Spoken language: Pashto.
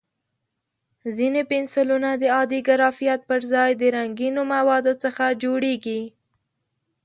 ځینې پنسلونه د عادي ګرافیت پر ځای د رنګینو موادو څخه جوړېږي.